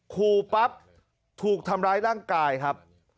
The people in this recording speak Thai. ขู่ปั๊บถูกทำร้ายร่างกายครับ